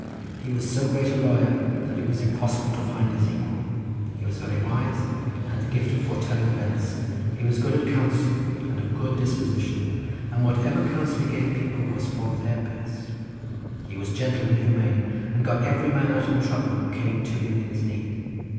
He was so great a lawyer that it was impossible to find his equal; he was very wise, and had the gift of foretelling events; he was good at counsel, and of a good disposition, and whatever counsel he gave people was for their best; he was gentle and humane, and got every man out of trouble who came to him in his need.